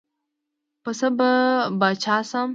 پۀ څۀ به باچا شم ـ